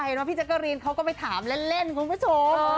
ว่าพี่แจกกะรีนเขาก็ไปถามเล่นคุณผู้ชม